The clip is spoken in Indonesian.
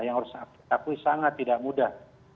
yang harus saya takui sangat tidak mudah